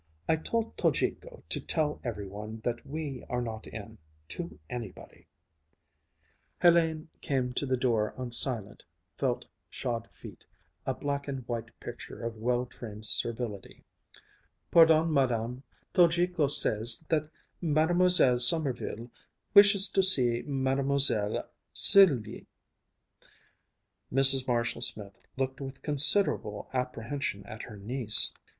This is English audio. "I told Tojiko to tell every one that we are not in to anybody." Hélène came to the door on silent, felt shod feet, a black and white picture of well trained servility. "Pardon, Madame, Tojiko says that Mlle. Sommerville wishes to see Mlle. Sylvie." Mrs. Marshall Smith looked with considerable apprehension at her niece.